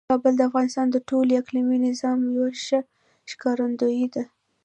کابل د افغانستان د ټول اقلیمي نظام یو ښه ښکارندوی دی.